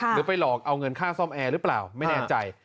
หรือไปหลอกเอาเงินค่าซ่อมแอร์หรือเปล่าไม่แน่ใจ